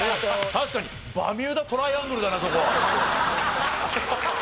確かにバミューダトライアングルだなそこ。